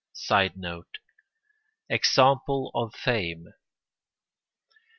[Sidenote: Example of fame.